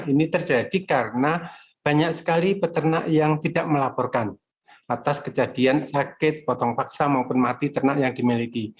ini terjadi karena banyak sekali peternak yang tidak melaporkan atas kejadian sakit potong paksa maupun mati ternak yang dimiliki